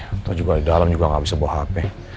atau juga di dalam juga nggak bisa bawa hp